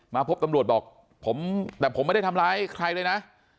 พบตำรวจบอกผมแต่ผมไม่ได้ทำร้ายใครเลยนะ